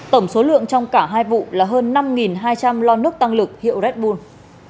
tổng số lượng trong cả hai vụ là hơn năm hai trăm linh lon nước tăng lực hiệu red bull